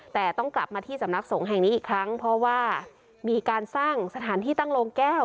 แต่ต้องกลับมาที่สำนักสงฆ์แห่งนี้อีกครั้งเพราะว่ามีการสร้างสถานที่ตั้งโรงแก้ว